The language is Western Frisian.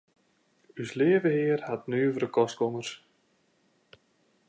Us Leave Hear hat nuvere kostgongers.